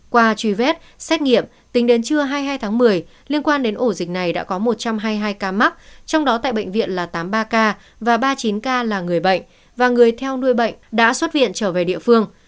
qua truy vết xét nghiệm tính đến trưa hai mươi hai tháng một mươi liên quan đến ổ dịch này đã có một trăm hai mươi hai ca mắc trong đó tại bệnh viện là tám mươi ba ca và ba mươi chín ca là người bệnh và người theo nuôi bệnh đã xuất viện trở về địa phương